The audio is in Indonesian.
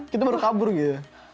kita baru kabur gitu